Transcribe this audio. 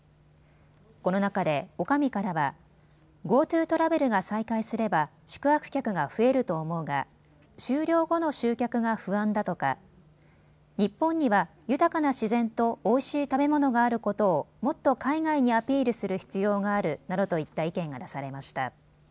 この中でおかみからはＧｏＴｏトラベルが再開すれば宿泊客が増えると思うが終了後の集客が不安だとか日本には豊かな自然とおいしい食べ物があることをもっと海外にアピールする必要があるなどといった意見が出されました。